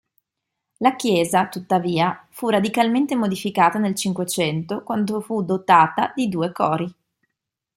La chiesa, tuttavia, fi radicalmente modificata nel Cinquecento, quando fu dotata di due cori.